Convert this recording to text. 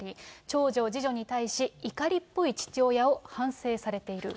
長女、次女に対し、怒りっぽい父親を反省されている。